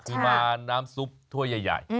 คือมาน้ำซุปถ้วยใหญ่